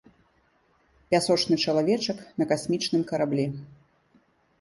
Пясочны чалавечак на касмічным караблі.